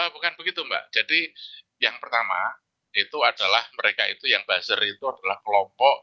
bukan begitu mbak jadi yang pertama itu adalah mereka itu yang buzzer itu adalah kelompok